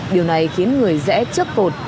điều này khiến người rẽ trước cột